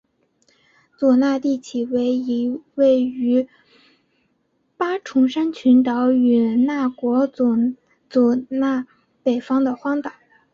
祖纳地崎为一位于八重山群岛与那国岛祖纳北方的荒岛。